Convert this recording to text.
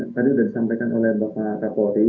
tadi sudah disampaikan oleh bapak pak polri